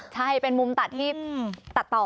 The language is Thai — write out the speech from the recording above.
ใช่เป็นมุมตัดที่ตัดต่อ